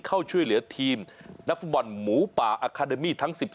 เข้าช่วยเหลือทีมนักฟุตบอลหมูป่าอาคาเดมี่ทั้ง๑๓